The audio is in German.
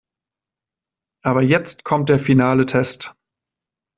Aber jetzt kommt der finale Test.